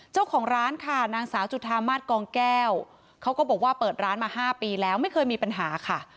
เจ้าของร้านค่ะนางสาวจุธามาสกองแก้วเขาก็บอกว่าเปิดร้านมา๕ปีแล้วไม่เคยมีปัญหาค่ะ